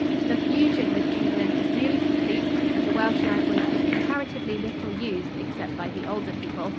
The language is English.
The fusion with England is nearly complete and the Welsh language is comparatively little used except by the older people.